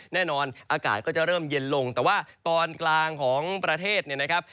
แน่นอนอากาศก็จะเริ่มเย็นลงแต่ว่าตอนกลางของประเทศเนี่ยนะครับ